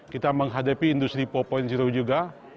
kita menghadapi industri empat juga